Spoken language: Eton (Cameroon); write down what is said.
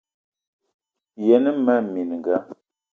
Yen mmee minga: